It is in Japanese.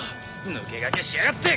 抜け駆けしやがって。